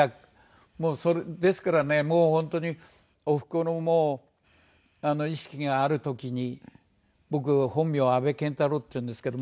ですからねもう本当におふくろも意識がある時に僕本名阿部健太郎っていうんですけども。